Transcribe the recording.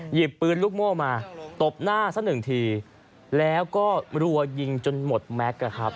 หยิบปืนลูกโม่มาตบหน้าซะหนึ่งทีแล้วก็รัวยิงจนหมดแม็กซ์นะครับ